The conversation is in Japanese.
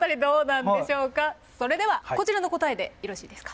それではこちらの答えでよろしいですか？